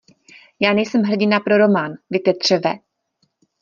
Já nejsem hrdina pro román, vy tetřeve!